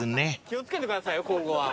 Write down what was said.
気を付けてくださいよ今後は。